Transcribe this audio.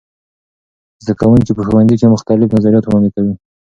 زده کوونکي په ښوونځي کې مختلف نظریات وړاندې کوي.